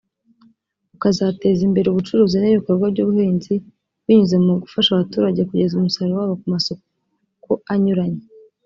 ukazateza imbere ubucuruzi n’ibikorwa by’ubuhinzi binyuze mu gufasha abaturage kugeza umusaruro wabo ku masoko anyuranye